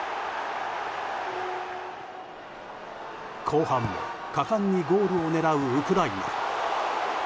後半も果敢にゴールを狙うウクライナ。